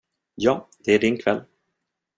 Ja, det är din kväll.